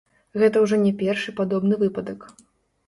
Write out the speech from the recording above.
Гэта ўжо не першы падобны выпадак.